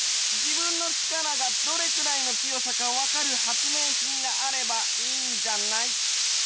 じぶんの力がどれくらいの強さかわかるはつめいひんがあればいいんじゃない？